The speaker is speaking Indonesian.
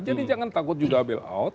jadi jangan takut juga bailout